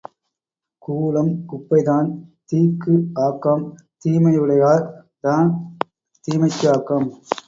கூளம் குப்பைதான் தீக்கு ஆக்கம் தீமையுடையார் தான் தீமைக்கு ஆக்கம்.